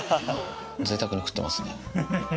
ぜいたくに食ってますね。